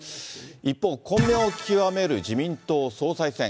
一方、混迷を極める自民党総裁選。